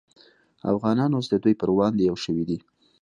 افغانان اوس د دوی پر وړاندې یو شوي دي